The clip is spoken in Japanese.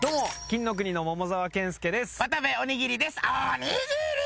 金の国の桃沢健輔です渡部おにぎりです